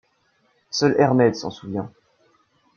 Seule Airmed s'en souvient.